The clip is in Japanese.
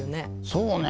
そうね。